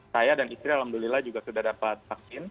saya dan istri alhamdulillah juga sudah dapat vaksin